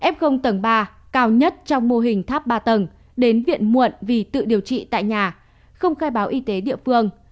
f tầng ba cao nhất trong mô hình tháp ba tầng đến viện muộn vì tự điều trị tại nhà không khai báo y tế địa phương